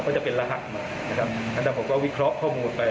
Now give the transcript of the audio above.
ก็จะเป็นรหัสมาทางผมก็วิเคราะห์ข้อมูลไป